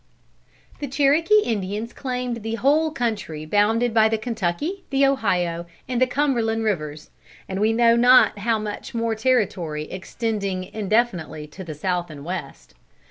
The Cherokee Indians claimed the whole country bounded by the Kentucky, the Ohio, and the Cumberland rivers, and we know not how much more territory extending indefinitely to the South and West.